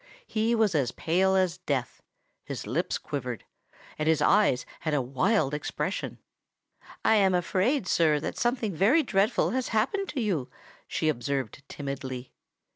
He was as pale as death—his lips quivered—and his eyes had a wild expression. "I am afraid, sir, that something very dreadful has happened to you," she observed timidly.